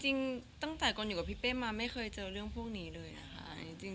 จริงตั้งแต่ตอนอยู่กับพี่เป้มาไม่เคยเจอเรื่องพวกนี้เลยค่ะ